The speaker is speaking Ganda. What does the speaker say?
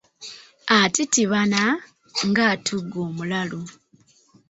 Atitibana, ng’atuga omulalu.